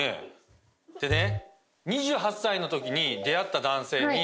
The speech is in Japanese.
でね。